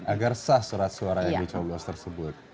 agar sah surat suara yang dicoblos tersebut